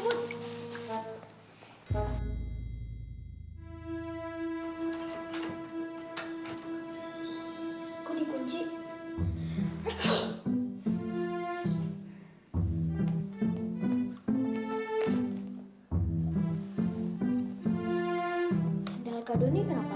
pastinya buat lo aja deh